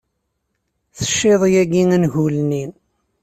Tecciḍ yagi angul-nni.